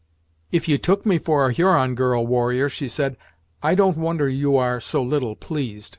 "If you took me for a Huron girl, warrior," she said, "I don't wonder you are so little pleased.